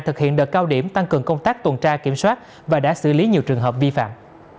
thực hiện đợt cao điểm tăng cường công tác tuần tra kiểm soát và đã xử lý nhiều trường hợp vi phạm